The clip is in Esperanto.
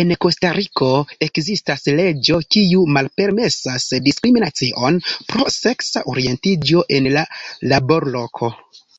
En Kostariko ekzistas leĝo kiu malpermesas diskriminacion pro seksa orientiĝo en laborloko.